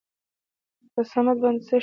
په صمد باندې څه شوي ؟